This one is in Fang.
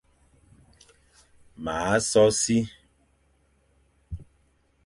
M a so si.